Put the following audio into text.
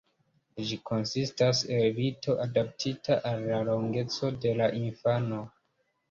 Ĝi konsistas el lito adaptita al la longeco de la infano.